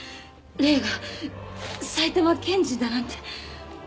麗が埼玉県人だなんて。